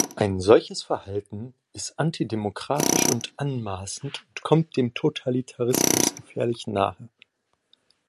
Ein solches Verhalten ist antidemokratisch und anmaßend und kommt dem Totalitarismus gefährlich nahe.